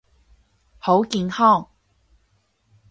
好健康！